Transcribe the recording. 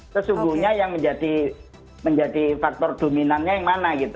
sesungguhnya yang menjadi faktor dominannya yang mana gitu